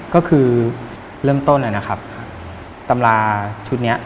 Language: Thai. ก็คือเริ่มต้นนะครับตำราชุดนี้